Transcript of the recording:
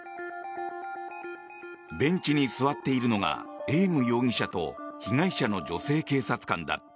ベンチに座っているのがエーム容疑者と被害者の女性警察官だ。